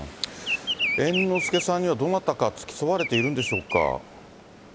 猿之助さんにはどなたか付き添われているんでしょうか。